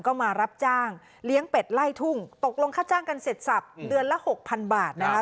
ก็มารับจ้างเลี้ยงเป็ดไล่ทุ่งตกลงค่าจ้างกันเสร็จสับเดือนละหกพันบาทนะคะ